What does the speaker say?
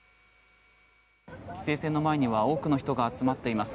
規制線の前には多くの人が集まっています。